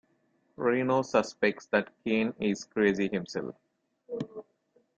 Reno suspects that Kane is crazy himself.